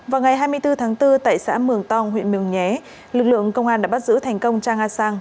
vào ngày hai mươi bốn tháng bốn tại xã mường tong huyện mường nhé lực lượng công an đã bắt giữ thành công cha nga sang